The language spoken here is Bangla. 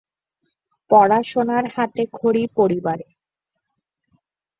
পড়াশোনার হাতেখড়ি পরিবারে।